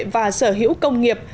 và sở hữu công nghiệp